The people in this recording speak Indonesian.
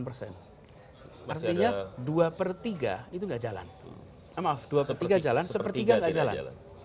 enam puluh delapan persen artinya dua per tiga itu gak jalan maaf dua per tiga jalan satu per tiga gak jalan